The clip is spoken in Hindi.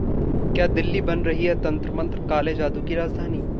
क्या दिल्ली बन रही है तंत्र-मंत्र, काले जादू की राजधानी!